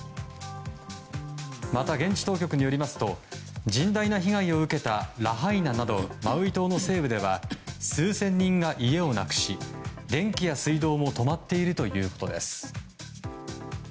また、現地当局によりますと甚大な被害を受けたラハイナなどマウイ島の西部では数千人が家をなくし電気や水道も止まっているということです。